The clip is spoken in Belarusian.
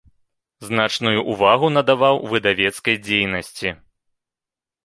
Значную ўвагу надаваў выдавецкай дзейнасці.